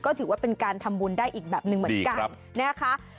ก็ถือว่าเป็นการทำบุญได้อีกแบบหนึ่งเหมือนกันนะคะ